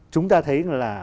chúng ta thấy là